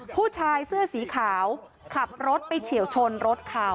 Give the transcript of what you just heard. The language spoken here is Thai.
ผู้ชายเสื้อสีขาวขับรถไปเฉียวชนรถเขา